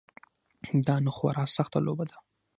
دا نو خورا سخته لوبه ده.